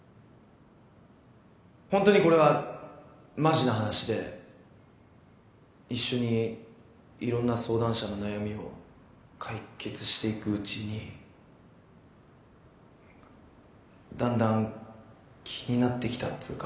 ほんとにこれはマジな話で一緒にいろんな相談者の悩みを解決していくうちに段々気になってきたっつか。